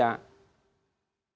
bukan hanya sampai pangdam saja